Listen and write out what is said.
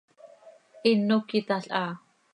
Hino cöyitalhaa.